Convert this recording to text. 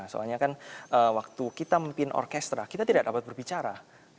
soalnya kan waktu kita memimpin orkestra kita tidak dapat berbicara